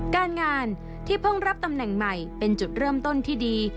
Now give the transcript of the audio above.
การงานที่เพิ่งรับตำแหน่งใหม่เป็นจุดเริ่มต้นที่ดี